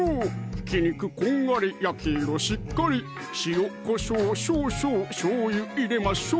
ひき肉こんがり焼き色しっかり」「塩・こしょうを少々しょうゆ入れましょう！」